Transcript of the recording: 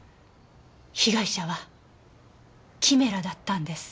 被害者はキメラだったんです。